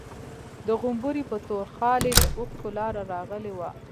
د غومبري په تور خال يې د اوښکو لاره راغلې وه.